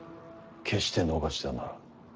決して逃してはならん。